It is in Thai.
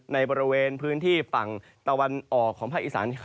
ในบริเวณพื้นที่ฝั่งตะวันออกของภาคอีสาน